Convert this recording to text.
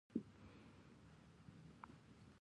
دا ژورنال اروپایي او امریکایي نظریات سره وصل کړل.